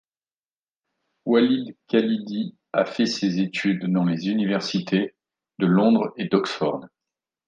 Walid Khalidi a fait ses études dans les universités de Londres et d'Oxford.